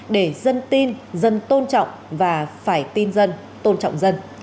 để dân tin dân tôn trọng và phải tin dân tôn trọng dân